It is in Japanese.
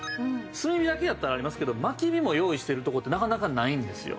炭火だけやったらありますけど薪火も用意してるとこってなかなかないんですよ。